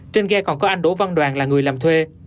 trên ghe còn có anh đỗ văn đoàn là người làm thuê